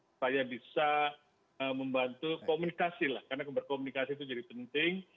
supaya bisa membantu komunikasi lah karena berkomunikasi itu jadi penting